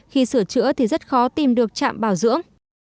khi sửa chữa thì rất khó tìm được trạm bảo dưỡng